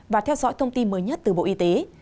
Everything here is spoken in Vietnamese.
và theo dõi thông tin mới nhất từ bộ y tế